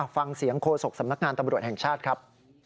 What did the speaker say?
ฟังเสียงโฆษกสำนักงานตำรวจแห่งชาติครับ